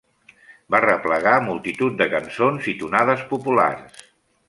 Va replegar multitud de cançons i tonades populars.